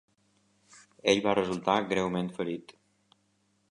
Ell va resultar greument ferit.